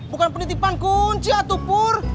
bukan penitipan kunci atau pur